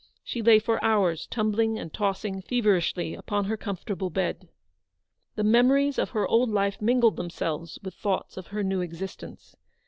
She lay for hours, tumbling and tossing feverishly upon her comfortable bed. The memories of her old life mingled them selves with thoughts of her new existence.